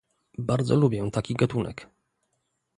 "Bardzo lubię taki gatunek."